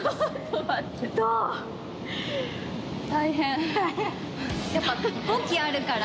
大変。